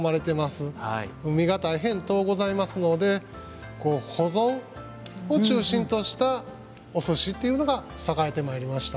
海が大変遠ございますので保存を中心としたお寿司っていうのが栄えてまいりました。